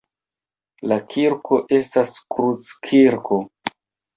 La kirko estas kruckirko.